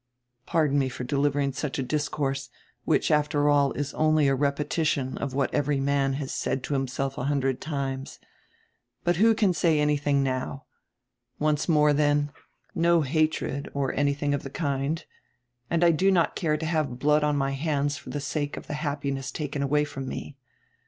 Pardon me for delivering such a discourse, which after all is only a repetition of what every man has said to himself a hundred times. But who can say any tiring now? Once more then, no hatred or anything of the kind, and I do not care to have blood on my hands for the sake of the happiness taken away from me.